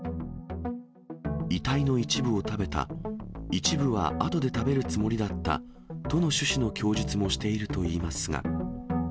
遺体の一部を食べた、一部はあとで食べるつもりだったとの趣旨の供述もしているといいますが。